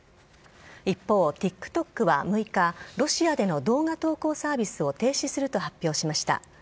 一方、ＴｉｋＴｏｋは６日、ロシアでの動画投稿サービスを停止すると発表しました。